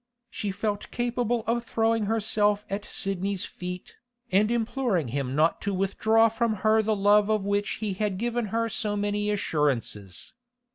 She felt capable of throwing herself at Sidney's feet, and imploring him not to withdraw from her the love of which he had given her so many assurances.